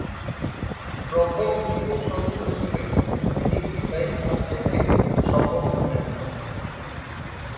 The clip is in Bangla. প্রথম হিন্দু সাংসদ হিসেবে তিনি গীতায় হাত রেখে শপথ নেন।